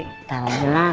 kita lari lah kita lari